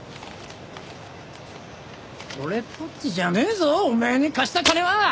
これっぽっちじゃねえぞおめえに貸した金は！